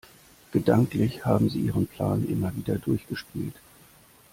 Gedanklich haben sie ihren Plan immer wieder durchgespielt.